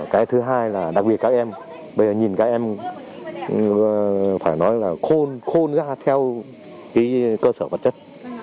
cái thứ hai là đặc biệt các em bây giờ nhìn các em phải nói là khôn khôn ra theo cơ sở vật chất